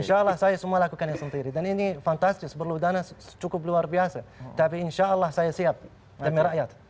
insya allah saya semua lakukannya sendiri dan ini fantastis perlu dana cukup luar biasa tapi insya allah saya siap demi rakyat